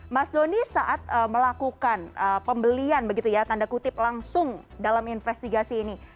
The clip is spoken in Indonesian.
mas doni saat melakukan pembelian begitu ya tanda kutip langsung dalam investigasi ini